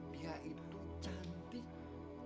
dia itu cantik